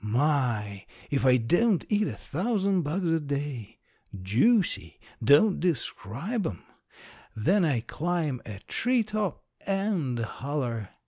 My! If I don't eat a thousand bugs a day. "Juicy" don't describe 'em. Then I climb a tree top and holler.